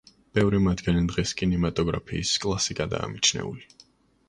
ბევრი მათგანი დღეს კინემატოგრაფიის კლასიკადაა მიჩნეული.